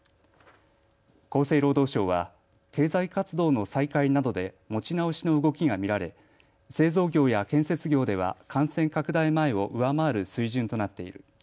厚生労働省は経済活動の再開などで持ち直しの動きが見られ製造業や建設業では感染拡大前を上回る水準となっている。